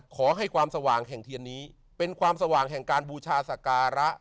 ขอให้ความสว่างแห่งเทียนนี้เป็นความสว่างแห่งการบูชาสการะ